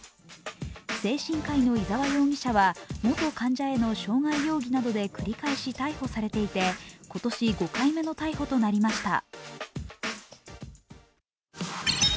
精神科医の伊沢容疑者が元患者への傷害容疑などで繰り返し逮捕されていて今年５回目の逮捕となりました。